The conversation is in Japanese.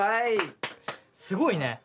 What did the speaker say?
すごいね！